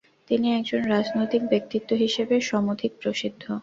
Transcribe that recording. তিনি একজন রাজনৈতিক ব্যক্তিত্ব হিসাবে সমধিক প্রসিদ্ধ।